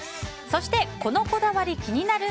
そしてこのこだわり気になる？